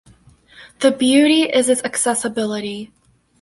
The beauty is its accessibility.